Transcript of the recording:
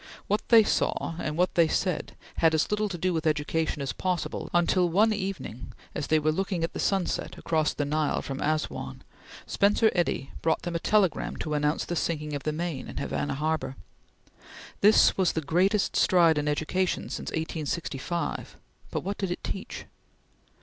What they saw and what they said had as little to do with education as possible, until one evening, as they were looking at the sun set across the Nile from Assouan, Spencer Eddy brought them a telegram to announce the sinking of the Maine in Havana Harbor. This was the greatest stride in education since 1865, but what did it teach?